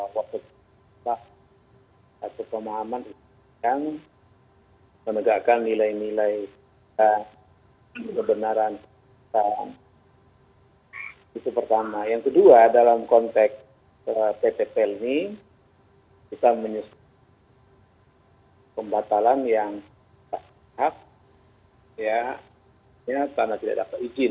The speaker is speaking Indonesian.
membuatkan pemahaman yang menegakkan nilai nilai kebenaran itu pertama yang kedua dalam konteks ppt ini kita menyusun pembatalan yang tidak dihak karena tidak dapat izin